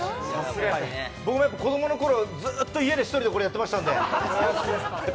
僕も子供のころ、ずーっと家で１人でこれ、やってましたんで。